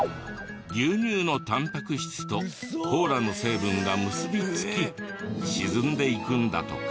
牛乳のタンパク質とコーラの成分が結びつき沈んでいくんだとか。